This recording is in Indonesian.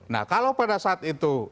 nah kalau pada saat itu